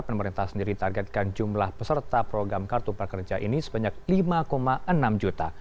pemerintah sendiri targetkan jumlah peserta program kartu prakerja ini sebanyak lima enam juta